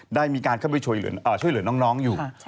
ได้มีการเข้าไปช่วยเหลือน้องอยู่